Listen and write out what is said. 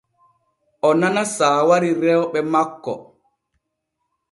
O nana saawari rewɓe makko.